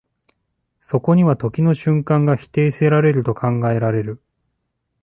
そこには時の瞬間が否定せられると考えられる。